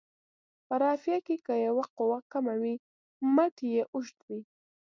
په رافعه کې که یوه قوه کمه وي مټ یې اوږد وي.